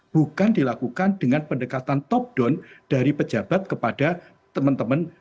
bukan dilakukan dengan pendekatan top down dari pejabat kepada teman teman